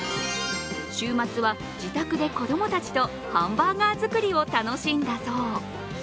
週末は自宅で子供たちとハンバーガー作りを楽しんだそう。